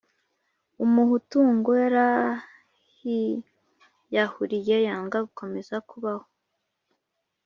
umuhutungo yarahiyahuriye yanga gukomeza kubaho